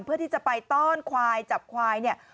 เพื่อที่จะไปต้อนควายจับควายเนี่ย